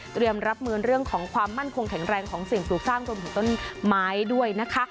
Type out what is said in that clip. รับมือเรื่องของความมั่นคงแข็งแรงของสิ่งปลูกสร้างรวมถึงต้นไม้ด้วยนะคะ